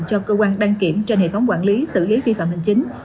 cho cơ quan đăng kiểm trên hệ thống quản lý xử lý vi phạm hành chính